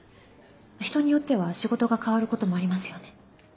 人によっては仕事が変わることもありますよね。